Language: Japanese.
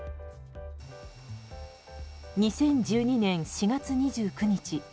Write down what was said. ２０１２年４月２９日。